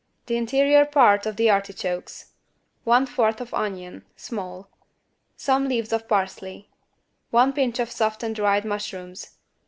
The interior part of the artichokes. One fourth of onion (small). Some leaves of parsley. One pinch of softened dried mushrooms.